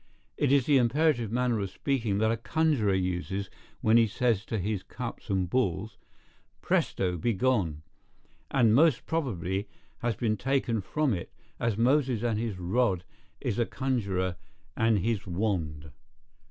It is the imperative manner of speaking that a conjuror uses when he says to his cups and balls, Presto, be gone—and most probably has been taken from it, as Moses and his rod is a conjuror and his wand.